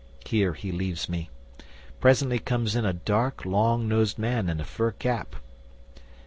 Here he leaves me. Presently comes in a dark, long nosed man in a fur cap.